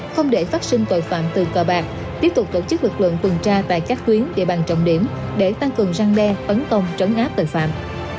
không để phát sinh tội phạm từ cờ bạc tiếp tục tổ chức lực lượng tuần tra tại các tuyến địa bàn trọng điểm để tăng cường răng đe tấn công trấn áp tội phạm